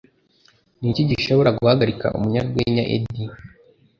Niki Gishobora Guhagarika Umunyarwenya Eddie